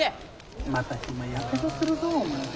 またやけどするぞお前それ。